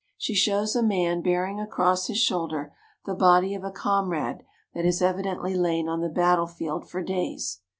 She shows a man bearing across his shoulder the body of a comrade that has evidently lain on the battlefield for days.